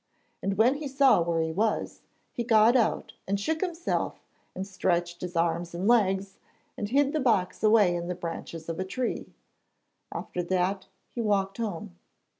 And when he saw where he was, he got out and shook himself and stretched his arms and legs, and hid the box away in the branches of a tree. After that he walked home.